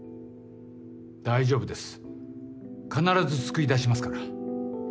大丈夫です必ず救い出しますから。